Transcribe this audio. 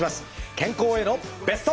健康へのベスト。